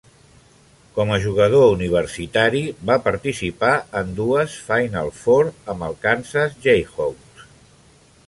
Com a jugador universitari, va participar en dues "Final Four" amb els Kansas Jayhawks.